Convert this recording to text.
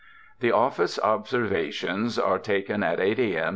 The Office observations are taken at 8 A. m.